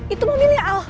itu mobilnya al